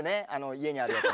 家にあるやつ。